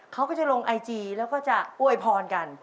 เขาก็จะลงไอจีแล้วก็จะอวยพรกัน